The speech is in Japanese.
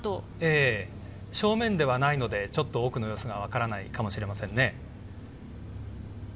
正面ではないのでちょっと奥の様子が分からないかもしれませんね。